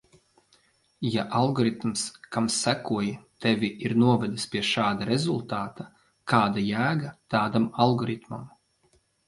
Ja algoritms, kam sekoji, tevi ir novedis pie šāda rezultāta, kāda jēga tādam algoritmam?